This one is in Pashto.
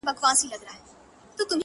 • اوس بقا د ژوند په دوو ژبو نغښتې,